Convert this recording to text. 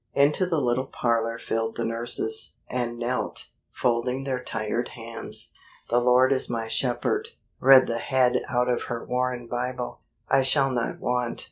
Into the little parlor filed the nurses, and knelt, folding their tired hands. "The Lord is my shepherd," read the Head out of her worn Bible; "I shall not want."